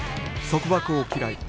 束縛を嫌い